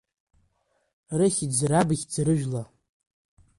Рыхьӡ, рабхьӡ, рыжәла…